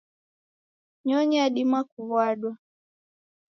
Nyonyi yadima kuw'adwa